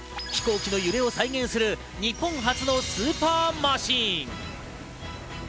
飛行機の揺れを再現する日本初のスーパーマシン。